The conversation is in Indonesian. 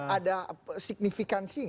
ada signifikansi gak